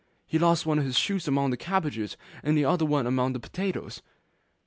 He lost one of his shoes among the cabbages, and the other shoe amongst the potatoes.